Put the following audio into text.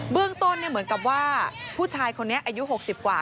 เรื่องต้นเหมือนกับว่าผู้ชายคนนี้อายุ๖๐กว่า